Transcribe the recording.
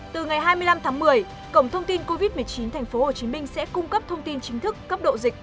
từ ngày hai mươi năm tháng một mươi cổng thông tin covid một mươi chín tp hcm sẽ cung cấp thông tin chính thức cấp độ dịch